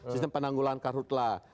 sistem penanggulan karhutlah